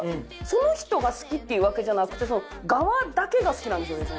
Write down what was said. その人が好きっていうわけじゃなくてガワだけが好きなんですよね。